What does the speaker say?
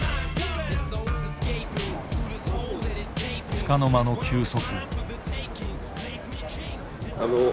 つかの間の休息。